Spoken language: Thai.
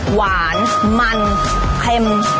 หวานมันเค็ม